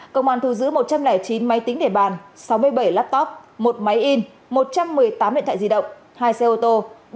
công an thu giữ một trăm linh chín máy tính để bàn sáu mươi bảy laptop một máy in một trăm một mươi tám điện thoại di động hai xe ô tô